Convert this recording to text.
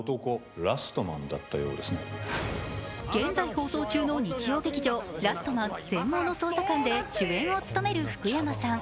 現在放送中の日曜劇場「ラストマン−全盲の捜査官−」で、主演を務める福山さん。